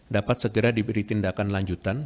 dapat segera diberi tindakan lanjutan